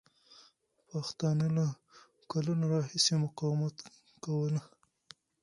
پښتانه له کلونو راهیسې مقاومت کوله.